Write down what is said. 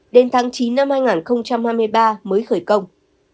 đến tháng chín năm hai nghìn hai mươi ba mới khởi công